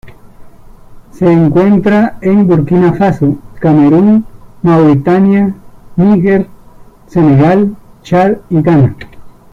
Se encuentra en Burkina Faso, Camerún, Mauritania, Níger, Senegal, Chad y Ghana.